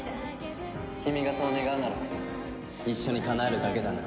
君がそう願うなら一緒にかなえるだけだな。